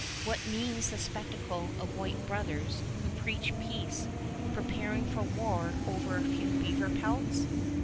What means the spectacle of white brothers, who preach peace, preparing for war over a few beaver pelts?